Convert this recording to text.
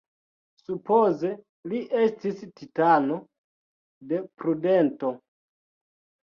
Supoze li estis Titano „de prudento“.